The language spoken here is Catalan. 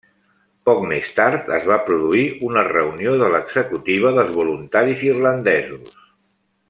Poc més tard es va produir una reunió de l'executiva dels Voluntaris Irlandesos.